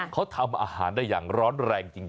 เขาทำอาหารได้อย่างร้อนแรงจริง